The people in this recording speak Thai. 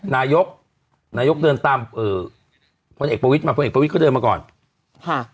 นายกนายกเดินตามต้นเอกประวิทย์มาเพราะนั่งเตรียมกับก่อนค่ะ